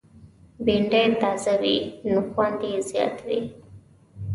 بېنډۍ تازه وي، نو خوند یې زیات وي